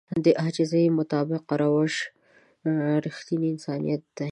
د عاجزي مطابق روش رښتينی انسانيت دی.